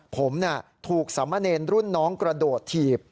ผมถูกสามเณรรุ่นน้องกระโดดถีบ